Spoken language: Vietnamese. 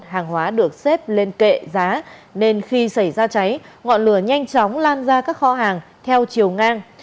hàng hóa được xếp lên kệ giá nên khi xảy ra cháy ngọn lửa nhanh chóng lan ra các kho hàng theo chiều ngang